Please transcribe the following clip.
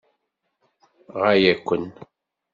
Ɣaya-ken.